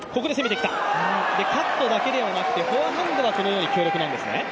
カットだけではなくてフォアハンドはこのように強力なんですね。